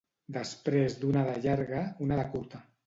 Després d'una de llarga, una de curta.